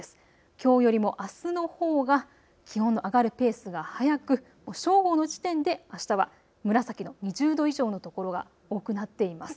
きょうよりもあすのほうが気温の上がるペースが早く正午の時点であしたは紫の２０度以上のところが多くなっています。